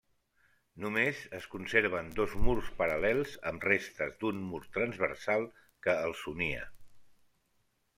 Només es conserven dos murs paral·lels, amb restes d'un mur transversal que els unia.